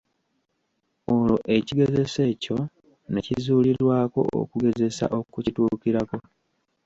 Olwo ekigezeso ekyo ne kizuulirwako okugezesa okukituukirako.